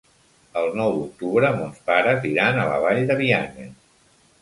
El nou d'octubre mons pares iran a la Vall de Bianya.